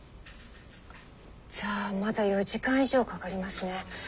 じゃあまだ４時間以上かかりますね。